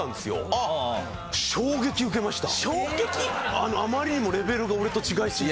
あまりにもレベルが俺と違いすぎて。